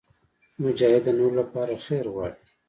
مجاهد د نورو لپاره خیر غواړي.